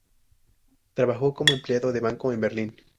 Trabajó como empleado de banco en Berlín.